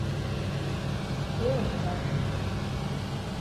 Феуэ шабзэкӏэ!